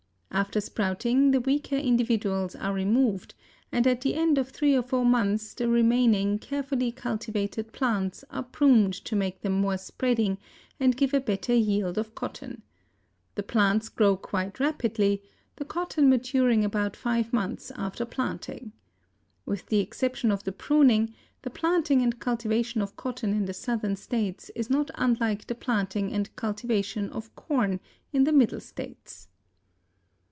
After sprouting the weaker individuals are removed, and at the end of three or four months the remaining carefully cultivated plants are pruned to make them more spreading and give a better yield of cotton. The plants grow quite rapidly, the cotton maturing about five months after planting. With the exception of the pruning, the planting and cultivation of cotton in the southern states is not unlike the planting and cultivation of corn in the middle states.